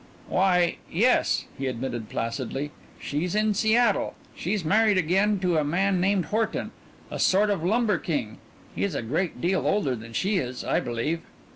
"Why yes," he admitted placidly. "She's in Seattle. She's married again to a man named Horton, a sort of lumber king. He's a great deal older than she is, I believe."